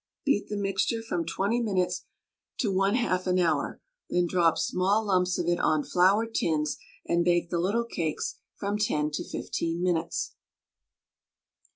Beat the mixture from 20 minutes to 1/2 an hour, then drop small lumps of it on floured tins, and bake the little cakes from 10 to 15 minutes.